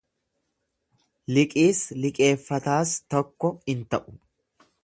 Liqiis liqeeffataas tokko in ta'u.